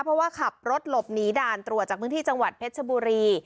เพราะว่าขับรถหลบหนีด่านตรวจจากพื้นที่จังหวัดเพชรชบุรี